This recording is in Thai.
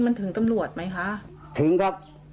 มันถึงตำรวจไหมคะ